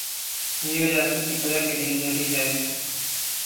یہ ریاست کی طرح جدید نہیں ہے۔